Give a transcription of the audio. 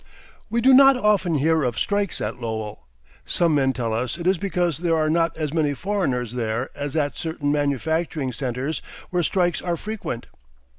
We do not often hear of strikes at Lowell. Some men tell us it is because there are not as many foreigners there as at certain manufacturing centres where strikes are frequent.